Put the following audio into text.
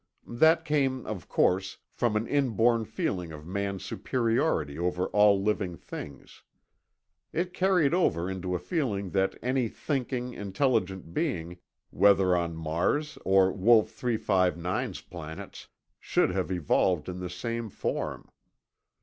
That came, of course, from an inborn feeling of man's superiority over all living things. It carried over into a feeling that any thinking, intelligent being, whether on Mars or Wolf 359's planets, should have evolved in the same form.